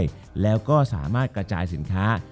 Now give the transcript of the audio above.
จบการโรงแรมจบการโรงแรม